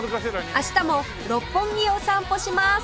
明日も六本木を散歩します